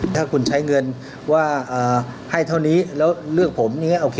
ถ้าคุณใช้เงินว่าให้เท่านี้แล้วเลือกผม